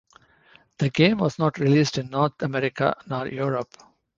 The game was not released in North America nor Europe.